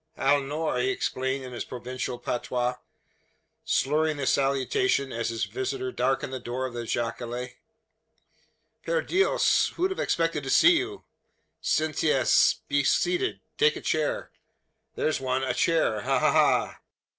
"H'la nor!" he exclaimed in his provincial patois, slurring the salutation, as his visitor darkened the door of the jacale. "P'r Dios! Who'd have expected to see you? Sientese! Be seated. Take a chair. There's one. A chair! Ha! ha! ha!"